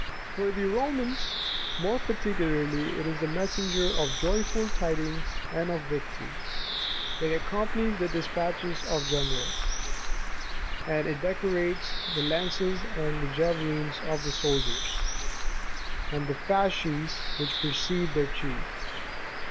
For the Romans more particularly it is the messenger of joyful tidings, and of victory : it accompanies the despatches81 of the general, and it decorates the lances and javelins of the soldiers and the fasces which precede their chief.